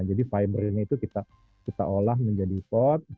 jadi fibernya itu kita olah menjadi pot